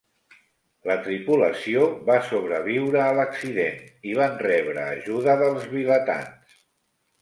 La tripulació va sobreviure a l'accident i van rebre ajuda dels vilatans.